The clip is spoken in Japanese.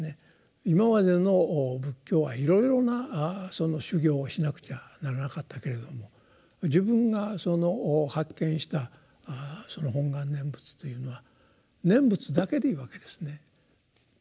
今までの仏教はいろいろなその修行をしなくちゃならなかったけれども自分が発見したその本願念仏というのは念仏だけでいいわけですね。